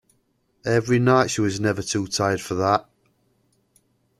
Every night she was never too tired for that.